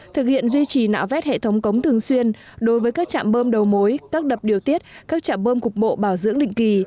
thực hiện duy trì nạo vét hệ thống cống thường xuyên đối với các trạm bơm đầu mối các đập điều tiết các trạm bơm cục bộ bảo dưỡng định kỳ